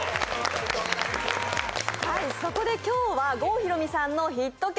そこで今日は郷ひろみさんのヒット曲。